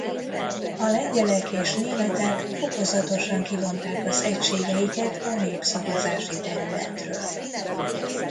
A lengyelek és németek fokozatosan kivonták az egységeiket a népszavazási területről.